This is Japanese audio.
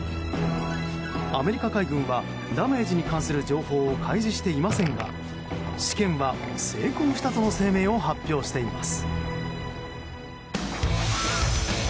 アメリカ海軍はダメージに関する情報を開示していませんが試験は成功したとの声明を発表しています。